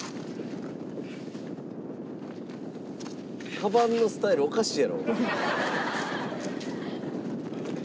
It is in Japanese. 「カバンのスタイルおかしいやろ」